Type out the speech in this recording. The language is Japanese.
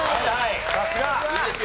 さすが！いいですよ。